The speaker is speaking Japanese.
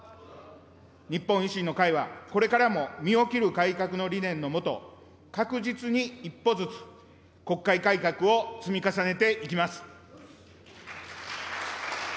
日本維新の会は、これからも身を切る改革の理念の下、確実に一歩ずつ、国会改革を積み重ねていきます。